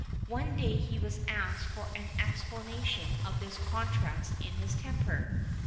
One day he was asked for an explanation of this contrast in his temper.